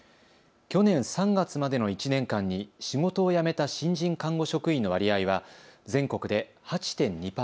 去年３月までの１年間に仕事を辞めた新人看護職員の割合は全国で８．２％。